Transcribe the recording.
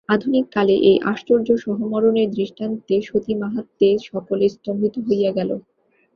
আধুনিক কালে এই আশ্চর্য সহমরণের দৃষ্টান্তে সতীমাহাত্ম্যে সকলে স্তম্ভিত হইয়া গেল।